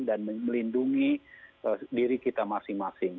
dan melindungi diri kita masing masing